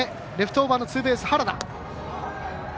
オーバーのツーベース原田。